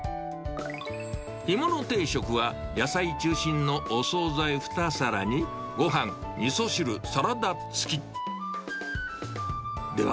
干物定食は野菜中心のお総菜２皿に、ごはん、みそ汁、サラダ付き。